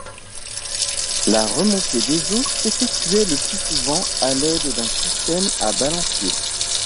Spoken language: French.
La remontée des seaux s'effectuait le plus souvent à l'aide d'un système à balancier.